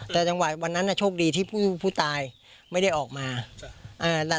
แต่จังหวะวันนั้นโชคดีที่ผู้ตายไม่ได้ออกมา